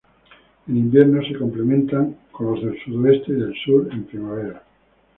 En invierno: se complementan con los del sudoeste, y del sur en primavera.